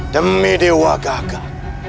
demi dewa gagal